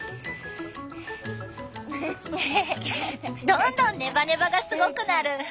どんどんネバネバがすごくなる。